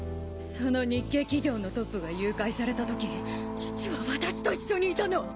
その日系企業のトップが誘拐された時父は私と一緒にいたの！